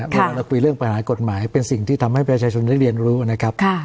เพราะว่าเราคุยเรื่องปัญหากฎหมายเป็นสิ่งที่ทำให้ประชาชนได้เรียนรู้นะครับ